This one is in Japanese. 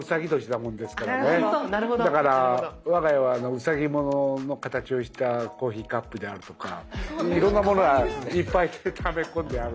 だから我が家はうさぎの形をしたコーヒーカップであるとかいろんなものがいっぱいため込んであるんですけど。